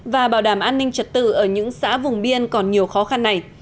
và bảo đảm an ninh trật tự ở những xã vùng biên còn nhiều khó khăn này